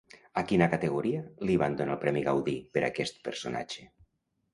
A quina categoria li van donar el premi Gaudí per aquest personatge?